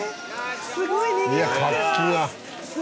すごい人！